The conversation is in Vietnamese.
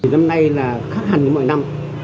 năm nay là khắc hẳn mỗi năm